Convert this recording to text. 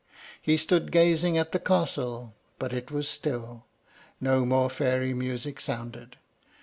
He stood gazing at the castle; but it was still, no more fairy music sounded.